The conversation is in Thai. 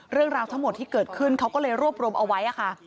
เรื่องราวทั้งหมดที่เกิดขึ้นเขาก็เลยรวบรวมเอาไว้ค่ะ